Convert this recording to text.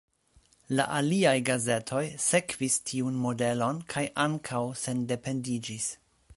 La aliaj gazetoj sekvis tiun modelon kaj ankaŭ sendependiĝis.